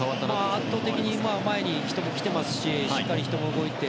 圧倒的に前に人も来ていますししっかり人も動いて。